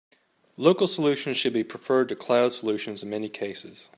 Local solutions should be preferred to cloud solutions in many cases.